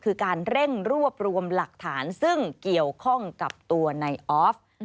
คือการเร่งรวบรวมหลักฐานซึ่งเกี่ยวข้องกับตัวในออฟ